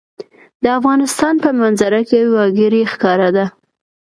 د افغانستان په منظره کې وګړي ښکاره ده.